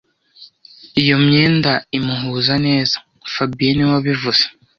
Iyo myenda imuhuza neza fabien niwe wabivuze